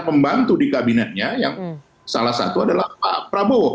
pembantu di kabinetnya yang salah satu adalah pak prabowo